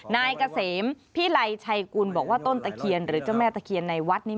นายเกษมพิไลชัยกุลบอกว่าต้นตะเคียนหรือเจ้าแม่ตะเคียนในวัดนี้